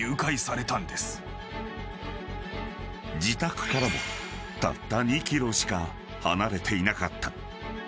［自宅からもたった２ｋｍしか離れていなかった］